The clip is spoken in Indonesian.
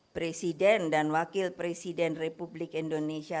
presiden dan wakil presiden republik indonesia